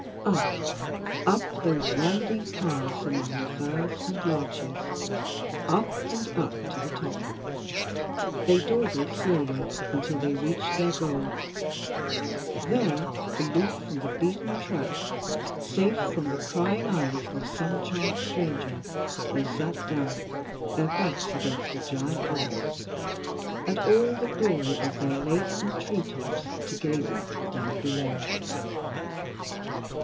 Up, up those winding paths among the firs and larches up and up to the top. They dawdled slowly until they reached their goal. There, aloof from the beaten track, safe from the prying eyes of some chance stranger, they sat down, their backs against a giant rock, and all the glory of their lake and tree tops to gaze at down below.